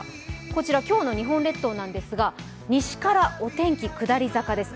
こちら今日の日本列島なんですが西からお天気下り坂です。